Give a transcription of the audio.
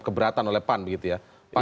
terima kasih pak edy ya